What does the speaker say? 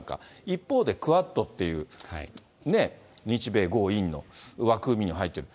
一方でクアッドっていう、日米豪印の枠組にも入ってる。